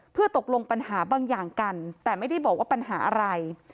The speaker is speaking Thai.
เพื่อตกลงปัญหาบางอย่างกันแต่ไม่ได้บอกว่าปัญหาอะไร